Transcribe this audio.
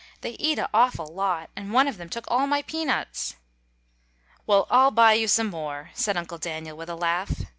They eat a awful lot, and one of them took all my peanuts." "Well, I'll buy you some more," said Uncle Daniel with a laugh.